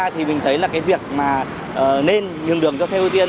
thì mình thấy việc nên nhường đường cho xe ưu tiên